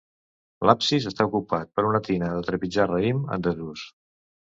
L'absis està ocupat per una tina de trepitjar raïm, en desús.